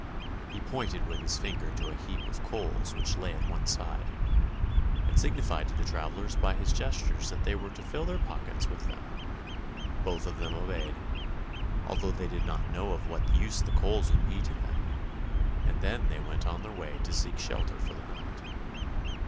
He pointed with his finger to a heap of coals which lay at one side, and signified to the travellers by his gestures that they were to fill their pockets with them. Both of them obeyed, although they did not know of what use the coals would be to them, and then they went on their way to seek a shelter for the night.